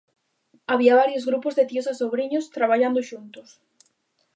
Había varios grupos de tíos e sobriños traballando xuntos.